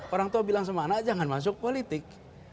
orang tua bilang sama anak jangan masuk politik